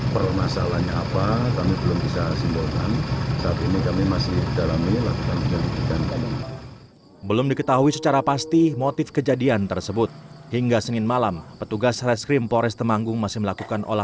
permasalahannya apa kami belum bisa simbolkan saat ini kami masih dalam lakukan penyelidikan